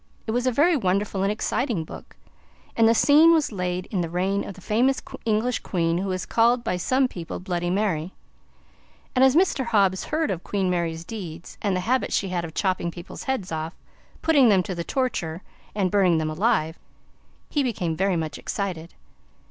It was a very wonderful and exciting book, and the scene was laid in the reign of the famous English queen who is called by some people Bloody Mary. And as Mr. Hobbs heard of Queen Mary's deeds and the habit she had of chopping people's heads off, putting them to the torture, and burning them alive, he became very much excited.